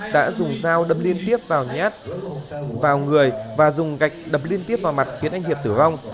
đã dùng dao đập liên tiếp vào người và dùng gạch đập liên tiếp vào mặt khiến anh hiệp tử vong